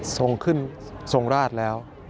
ทรงขึ้นทรงราชแล้ว